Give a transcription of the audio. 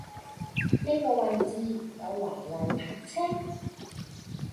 呢個位置有違例泊車